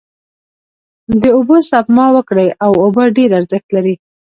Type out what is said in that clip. داوبوسپما وکړی او اوبه ډیر ارښت لری